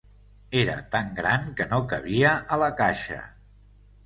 Era tan gran que no cabia a la caixa.